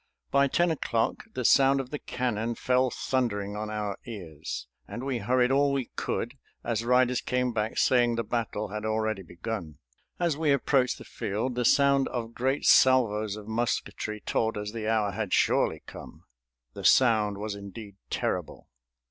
By ten o'clock the sound of the cannon fell thundering on our ears, and we hurried all we could, as riders came back saying the battle had already begun. As we approached the field the sound of great salvos of musketry told us the hour had surely come. The sound was indeed terrible.